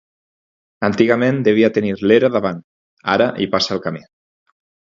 Antigament devia tenir l'era davant; ara hi passa el camí.